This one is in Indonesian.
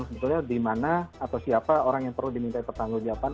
sebetulnya di mana atau siapa orang yang perlu diminta pertanggung jawaban